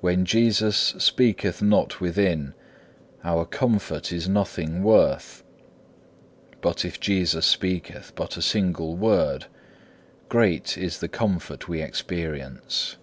When Jesus speaketh not within, our comfort is nothing worth, but if Jesus speaketh but a single word great is the comfort we experience.